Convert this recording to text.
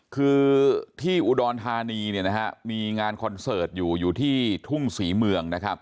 คือที่อุดรธานีมีงานคอนเสิร์ตอยู่อยู่ที่ทุ่งศรีเมืองนะครับ